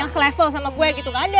selevel sama gue gitu gak ada